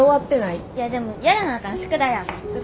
いやでもやらなあかん宿題ある。